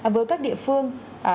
với các địa phương